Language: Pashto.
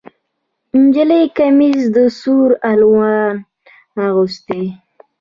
نجلۍ کمیس د سور الوان اغوستی